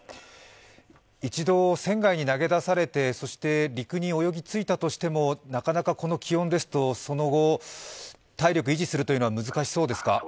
一度船外に投げ出されて、陸に泳ぎ着いたとしても、なかなか、この気温ですと、その後、体力を維持するのは難しそうですか？